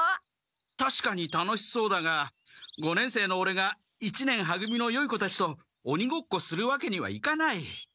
たしかに楽しそうだが五年生のオレが一年は組のよい子たちとおにごっこするわけにはいかない。